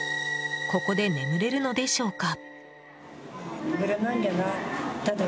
ここで眠れるのでしょうか？